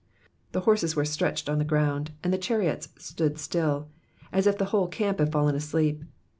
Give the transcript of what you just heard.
The horses were stretched on the ground, and tho chariots stood still, as if the whole camp had fallen asleep.